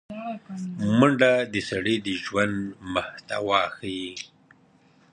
منډه د سړي د ژوند محتوا ښيي